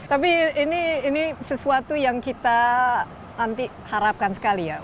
tapi ini sesuatu yang kita nanti harapkan sekali ya